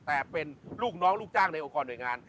แต่เป็นลูกน้องลูกจ้างในองค์กรหน่วยงาน